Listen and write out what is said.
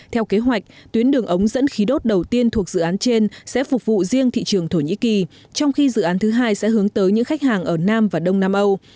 theo kế hoạch tuyến đường ống dẫn khí đốt đầu tiên thuộc dự án trên sẽ phục vụ riêng thị trường thổ nhĩ kỳ trong khi dự án thứ hai sẽ hướng tới những khách hàng ở nam và đông nam âu